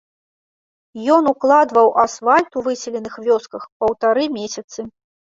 Ён укладваў асфальт у выселеных вёсках паўтары месяцы.